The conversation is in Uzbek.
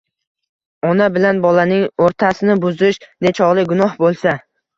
Ona bilan bolaning o‘rtasini buzish nechog‘lik gunoh bo‘lsa